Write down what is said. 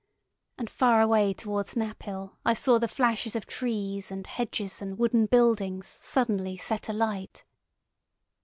And far away towards Knaphill I saw the flashes of trees and hedges and wooden buildings suddenly set alight.